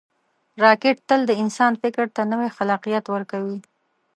راکټ تل د انسان فکر ته نوی خلاقیت ورکوي